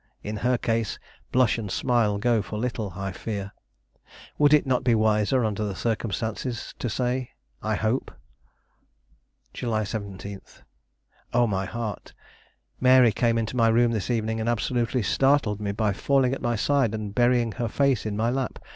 In her case, blush and smile go for little, I fear. Would it not be wiser under the circumstances to say, I hope? "July 17. Oh, my heart! Mary came into my room this evening, and absolutely startled me by falling at my side and burying her face in my lap.